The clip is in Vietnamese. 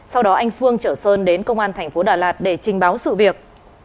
sau đó anh phương chở sơn đến công an tp đà lạt để trình báo sự việc